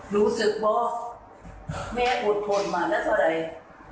รู้สึกว่าแม่อดทนมาแล้วเท่าไร